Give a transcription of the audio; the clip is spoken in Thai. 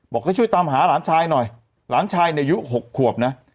ให้ช่วยตามหาหลานชายหน่อยหลานชายในยุค๖ขวบนะ